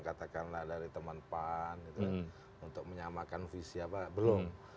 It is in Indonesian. katakanlah dari teman pan untuk menyamakan visi apa belum